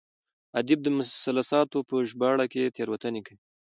ادیب د مثلثاتو په ژباړه کې تېروتنې کوي.